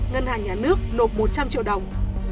ngân hàng nhà nước nộp một trăm linh triệu đồng